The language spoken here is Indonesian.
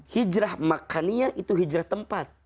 hijrah makaniyah itu hijrah tempat